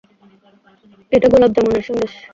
এটা গোলাপজামনের সন্দেশ।